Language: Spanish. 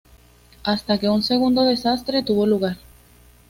Hasta que un segundo desastre tuvo lugar.